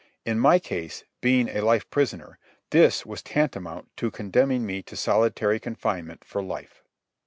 In my case, being a life prisoner, this was tantamount to condemning me to solitary confinement for life.